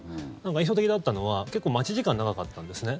印象的だったのは、結構待ち時間が長かったんですね。